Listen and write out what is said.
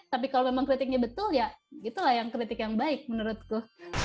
tapi kalau memang kritiknya betul ya itulah yang kritik yang baik menurutku